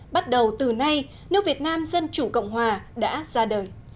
bắt đầu từ nay nước việt nam dân chủ cộng hòa đã ra đời